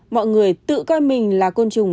mọi người tự coi mình là côn trùng